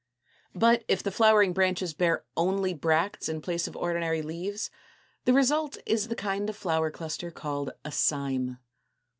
But if the flowering branches bear only bracts in place of ordinary leaves, the result is the kind of flower cluster called 219. =A Cyme.